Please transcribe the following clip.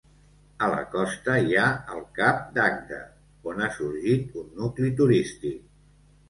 A la costa hi ha el Cap d'Agde, on ha sorgit un nucli turístic.